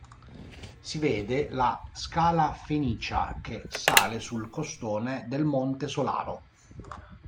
Si vede la Scala fenicia che sale sul costone del monte Solaro.